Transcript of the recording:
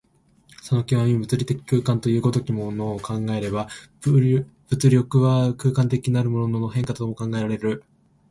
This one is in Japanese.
その極、物理的空間という如きものを考えれば、物力は空間的なるものの変化とも考えられる。